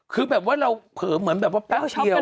คือแบบว่าเราเผลอเหมือนแบบว่าแป๊บเดียว